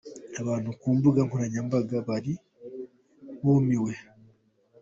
Abantu ku mbuga nkoranyambaga bari bumiwe.